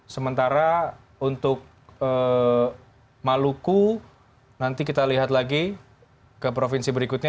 sementara untuk maluku nanti kita lihat lagi ke provinsi berikutnya